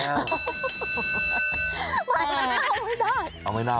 ไม้มันเน่าไม่ได้